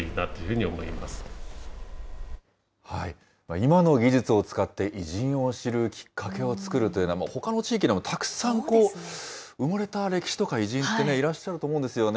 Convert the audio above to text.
今の技術を使って、偉人を知るきっかけを作るというのは、ほかの地域でもたくさん埋もれた歴史とか偉人ってね、いらっしゃると思うんですよね。